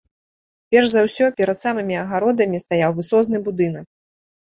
Перш за ўсё, перад самымі агародамі стаяў высозны будынак.